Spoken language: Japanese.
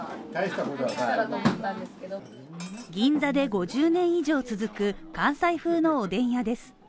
銀座で５０年以上続く関西風のおでん屋です。